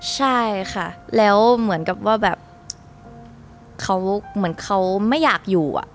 ใช่ค่ะแล้วเหมือนกับว่าแบบเขาไม่อยากอยู่อ่ะ